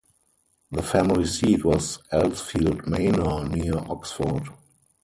The family seat was Elsfield Manor, near Oxford.